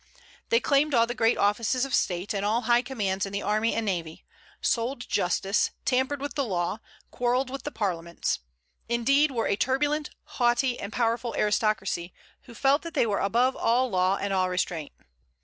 They claimed all the great offices of state, and all high commands in the army and navy; sold justice, tampered with the law, quarrelled with the parliaments, indeed, were a turbulent, haughty, and powerful aristocracy, who felt that they were above all law and all restraint.